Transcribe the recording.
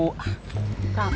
mimin tungguin atu